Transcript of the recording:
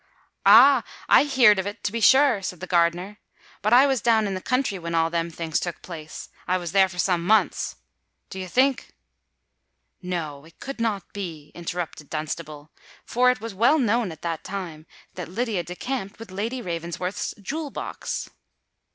"Ah! I heerd of it, to be sure!" said the gardener. "But I was down in the country when all them things took place—I was there for some months. Do you think——" "No—it could not be!" interrupted Dunstable: "for it was well known at the time that Lydia decamped with Lady Ravensworth's jewel box."